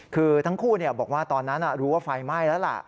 คือทั้งคู่บอกว่าตอนนั้นรู้ว่าไฟไหม้แล้วล่ะ